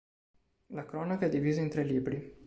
La cronaca è divisa in tre libri.